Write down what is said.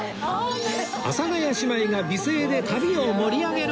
阿佐ヶ谷姉妹が美声で旅を盛り上げる